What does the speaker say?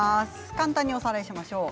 簡単におさらいをしましょう。